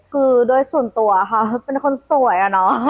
คือด้วยส่วนตัวค่ะเป็นคนสวยอะเนาะ